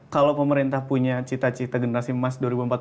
kalau pemerintah punya cita cita generasi emas dua ribu empat puluh lima